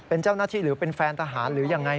เป็นเจ้าหน้าที่หรือเป็นแฟนทหารหรือยังไง